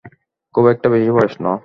খুব একটা বেশি বয়স না।